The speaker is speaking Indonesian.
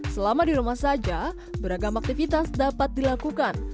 selama di rumah saja beragam aktivitas dapat dilakukan